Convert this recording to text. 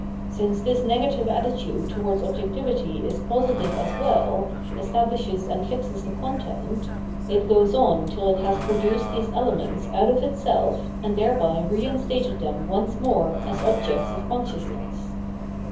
Since this negative attitude towards objectivity is positive as weU, establishes and fixes the content, it goes on tiU it has produced these elements out of itself and thereby reinstated them once more as objects of consciousness.